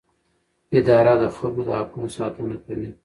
اداره د خلکو د حقونو ساتنه کوي.